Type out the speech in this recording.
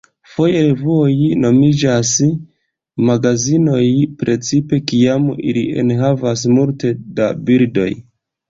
Foje revuoj nomiĝas "magazinoj", precipe kiam ili enhavas multe da bildoj.